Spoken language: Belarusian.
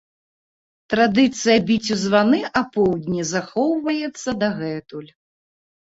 Традыцыя біць у званы апоўдні захоўваецца дагэтуль.